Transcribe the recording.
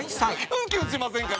キュンキュンしませんか？